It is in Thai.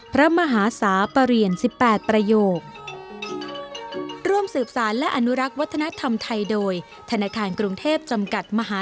พระมหาศาประเรียน๑๘ประโยค